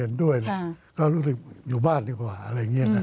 เห็นด้วยไม่เห็นอยู่บ้านดีกว่า